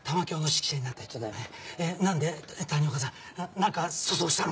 何か粗相したの？